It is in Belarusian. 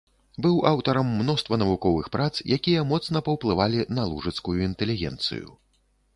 Быў аўтарам мноства навуковых прац, якія моцна паўплывалі на лужыцкую інтэлігенцыю.